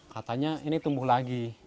katanya ini tumbuh lagi